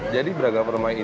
jadi braga masih ada di sini